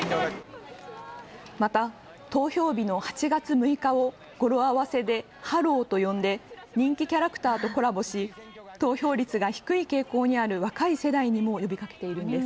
また投票日の８月６日を語呂合わせでハローと呼んで人気キャラクターとコラボし投票率が低い傾向にある若い世代にも呼びかけているんです。